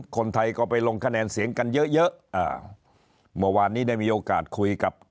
คนไทยก็ไปลงคะแนนเสียงกันเยอะว่านี้ได้มีโอกาสคุยกับ